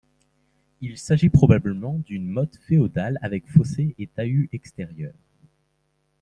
Il s'agit probablement d'une motte féodale avec fossés et talus extérieur.